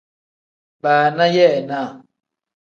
Baana yeenaa.